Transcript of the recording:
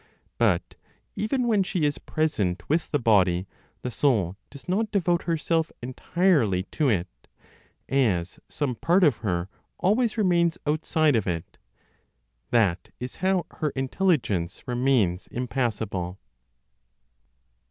But even when she is present with the body, the soul does not devote herself entirely to it, as some part of her always remains outside of it; that is how her intelligence remains impassible.